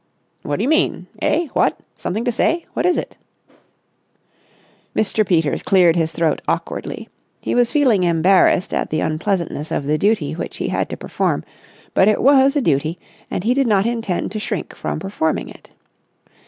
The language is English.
"What do you mean? Eh? What? Something to say? What is it?" Mr. Peters cleared his throat awkwardly. He was feeling embarrassed at the unpleasantness of the duty which he had to perform, but it was a duty, and he did not intend to shrink from performing it.